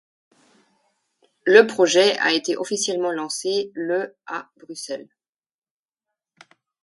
Le projet a été officiellement lancé le à Bruxelles.